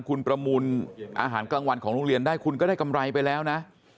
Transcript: คุณประมูลอาหารกลางวันของโรงเรียนได้คุณก็ได้กำไรไปแล้วนะ